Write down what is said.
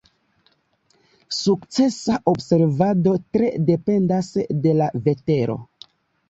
Sukcesa observado tre dependas de la vetero.